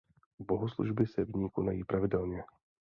Bohoslužby se v ní konají pravidelně.